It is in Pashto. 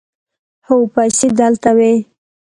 هو، پیسې دلته وې